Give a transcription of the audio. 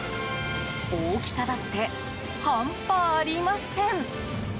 大きさだって、半端ありません。